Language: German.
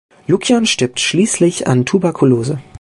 Lucjan stirbt schließlich an Tuberkulose.